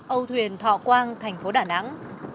âu thuyền thọ quang thành phố đà nẵng